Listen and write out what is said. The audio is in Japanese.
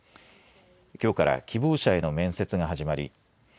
きょうから希望者への面接が始まり